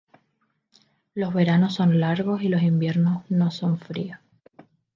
Los veranos son largos y los inviernos no son fríos.